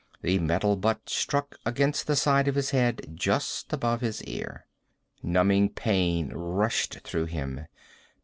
The metal butt struck against the side of his head, just above his ear. Numbing pain rushed through him.